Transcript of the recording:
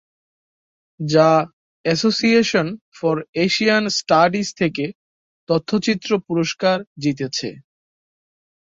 যা Association for Asian Studies থেকে তথ্যচিত্র পুরস্কার জিতেছে।